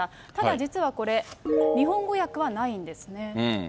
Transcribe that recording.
ただ、実はこれ、日本語訳はないんですね。